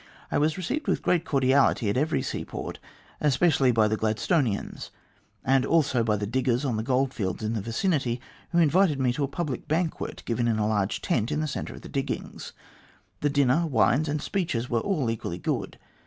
I was received with great cordiality at every seaport, especially by the Gladstonians, and also by the diggers on the goldfields in the vicinity, who invited me to a public banquet given in a large tent in the centre of the diggings. The dinner, wines, and speeches were all equally good.